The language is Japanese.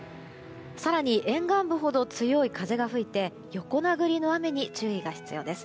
更に沿岸部ほど強い風が吹いて横殴りの雨に注意が必要です。